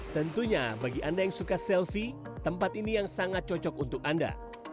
tentunya bagi anda yang suka selfie tempat ini yang sangat cocok untuk anda